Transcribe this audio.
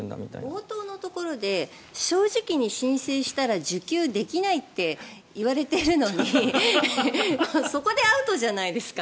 冒頭のところで正直に申請したら受給できないといわれているのにそこでアウトじゃないですか。